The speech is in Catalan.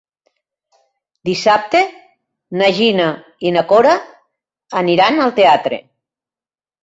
Dissabte na Gina i na Cora aniran al teatre.